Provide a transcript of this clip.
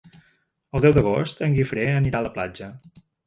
El deu d'agost en Guifré anirà a la platja.